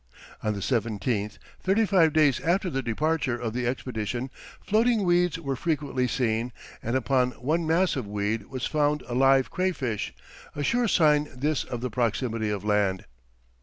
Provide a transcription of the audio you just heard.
On the 17th, thirty five days after the departure of the expedition, floating weeds were frequently seen, and upon one mass of weed was found a live cray fish, a sure sign this of the proximity of land.